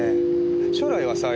将来はさ